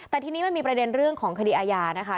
แต่ทีนี้มันมีประเด็นเรื่องของคดีอาญานะคะ